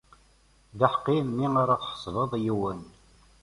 D aḥeqqi mi ara tḥasbeḍ yiwen.